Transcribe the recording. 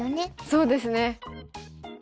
そうですね。